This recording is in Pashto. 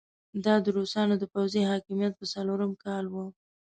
دا د روسانو د پوځي حاکميت په څلورم کال وو.